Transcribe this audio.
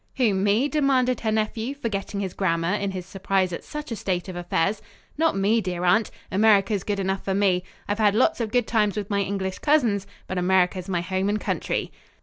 "Who, me?" demanded her nephew, forgetting his grammar in his surprise at such a state of affairs. "Not me, dear aunt. America's good enough for me. I've had lots of good times with my English cousins, but America's my home and country."